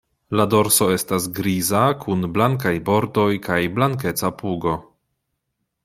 La dorso estas griza kun blankaj bordoj kaj blankeca pugo.